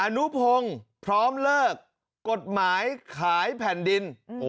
อนุพงศ์พร้อมเลิกกฎหมายขายแผ่นดิน